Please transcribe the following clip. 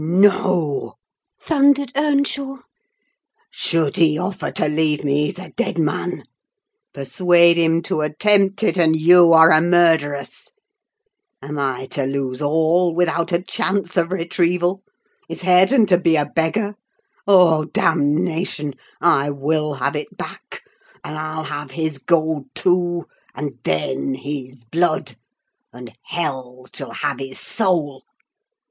"No!" thundered Earnshaw; "should he offer to leave me, he's a dead man: persuade him to attempt it, and you are a murderess! Am I to lose all, without a chance of retrieval? Is Hareton to be a beggar? Oh, damnation! I will have it back; and I'll have his gold too; and then his blood; and hell shall have his soul!